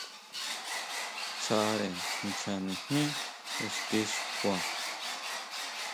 Tsáre ncha nijmí ixti xkua.